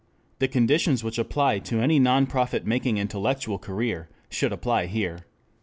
The conditions which apply to any non profit making intellectual career should apply here.